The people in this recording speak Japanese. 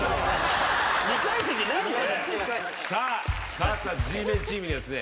勝ったＧメンチームにですね